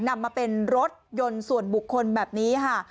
นำมาเป็นรถยนต์ส่วนบุคคลแบบนี้ค่ะ